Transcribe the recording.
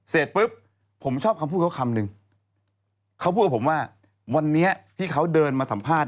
เสร็จปุ๊บผมชอบคำพูดเขาคำนึงเขาพูดกับผมว่าวันนี้ที่เขาเดินมาสัมภาษณ